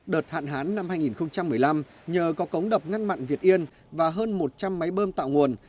đợt hạn hán năm hai nghìn một mươi năm nhờ có cống đập ngăn mặn việt yên và hơn một trăm linh máy bơm tạo nguồn